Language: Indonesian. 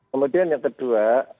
kemudian yang kedua